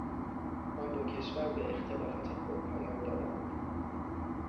آن دو کشور به اختلافات خود پایان دادند.